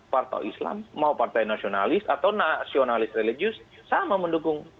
partai islam mau partai nasionalis atau nasionalis religius sama mendukung